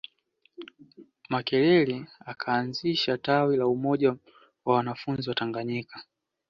Makerere akaanzisha tawi la Umoja wa wanafunzi Watanganyika